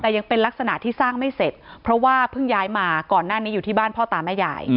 แต่ยังเป็นลักษณะที่สร้างไม่เสร็จเพราะว่าเพิ่งย้ายมาก่อนหน้านี้อยู่ที่บ้านพ่อตาแม่ยาย